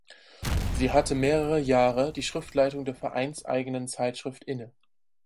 Sie hatte mehrere Jahre die Schriftleitung der vereinseigenen Zeitschrift inne.